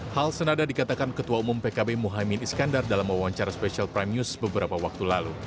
hal senada dikatakan ketua umum pkb muhaymin iskandar dalam wawancara spesial prime news beberapa waktu lalu